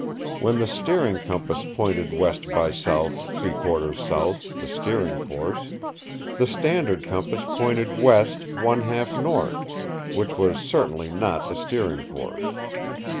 When the steering compass pointed west by south three quarters south (the steering course), the standard compass pointed west one half north, which was certainly not the steering course.